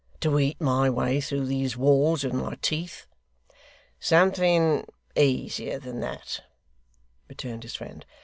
'To eat my way through these walls with my teeth?' 'Something easier than that,' returned his friend.